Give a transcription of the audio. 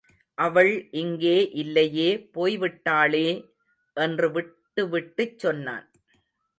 அவள் இங்கே இல்லையே போய்விட்டாளே! என்று விட்டுவிட்டுச் சொன்னான்.